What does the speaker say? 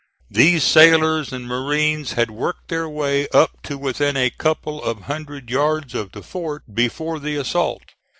These sailors and marines had worked their way up to within a couple of hundred yards of the fort before the assault.